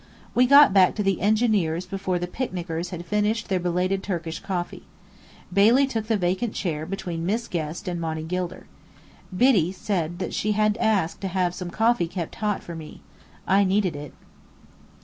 We got back to the engineer's before the picnickers had finished their belated Turkish coffee. Bailey took the vacant chair between Rachel Guest and Monny Gilder. Biddy said that she had asked to have some coffee kept hot for me. I needed it!